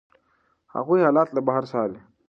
هغوی حالات له بهر څاري.